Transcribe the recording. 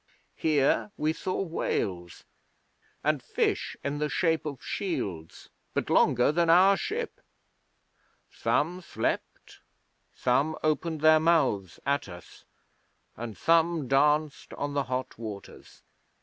Here we saw whales, and fish in the shape of shields, but longer than our ship. Some slept, some opened their mouths at us, and some danced on the hot waters.